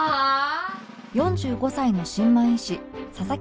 ４５歳の新米医師佐々木